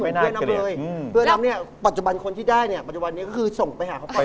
เพราะฉะนั้นเนี่ยปัจจุบันคนที่ได้เนี่ยปัจจุบันนี้ก็คือส่งไปหาเขาไป